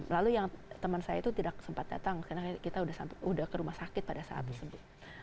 lalu yang teman saya itu tidak sempat datang karena kita sudah ke rumah sakit pada saat disebut